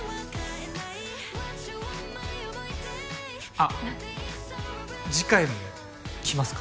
あっ次回も来ますか？